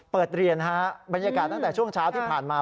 เปิดเรียนฮะบรรยากาศตั้งแต่ช่วงเช้าที่ผ่านมา